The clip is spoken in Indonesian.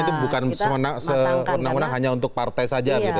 itu bukan sewenang wenang hanya untuk partai saja gitu